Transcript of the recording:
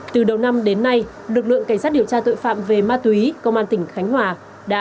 từ đầu năm đến nay lực lượng cảnh sát điều tra tội phạm về ma túy công an tỉnh khánh hòa đã